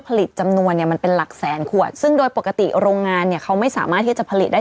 ผลิตจำนวนเนี่ยมันเป็นหลักแสนขวดซึ่งโดยปกติโรงงานเนี่ยเขาไม่สามารถที่จะผลิตได้